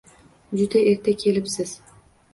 Juda erta kelibsiz.